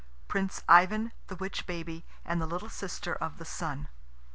PRINCE IVAN, THE WITCH BABY, AND THE LITTLE SISTER OF THE SUN.